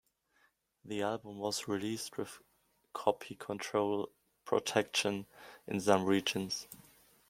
The album was released with Copy Control protection in some regions.